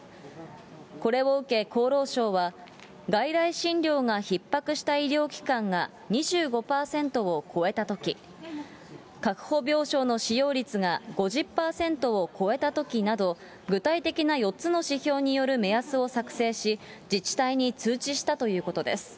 これを受け厚労省は、外来診療がひっ迫した医療機関が２５％を超えたとき、確保病床の使用率が５０％を超えたときなど、具体的な４つの指標による目安を作成し、自治体に通知したということです。